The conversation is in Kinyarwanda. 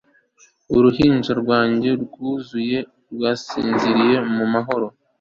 uruhinja rwanjye rwuzuye rwasinziriye mu mahoro